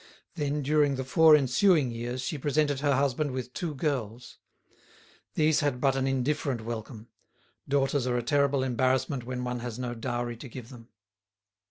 Then during the four ensuing years she presented her husband with two girls. These had but an indifferent welcome; daughters are a terrible embarrassment when one has no dowry to give them.